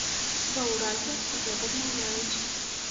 Ва ўрадзе гэта адмаўляюць.